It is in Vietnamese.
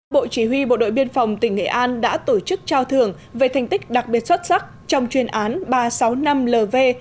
bộ chỉ huy bộ đội biên phòng tỉnh nghệ an đã tổ chức trao thưởng về thành tích đặc biệt xuất sắc trong chuyên án ba trăm sáu mươi năm lv